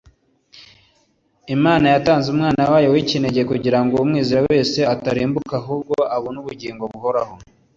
imana yatanze umwana wayo w ikinege kugira ngo umwizera wese atarimbuka ahubwo abone ubugingo buhoraho